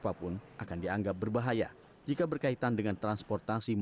penbicaraan video ini sudah tahu yang adanyachuang berada di saat terbesar black saturday ini